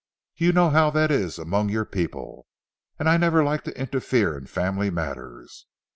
You know how that is among your people; and I never like to interfere in family matters.